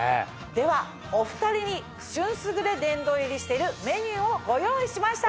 ではお２人に旬すぐで殿堂入りしているメニューをご用意しました！